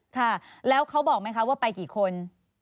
ค่ะแล้วเขาบอกไหมคะว่าไปกี่คน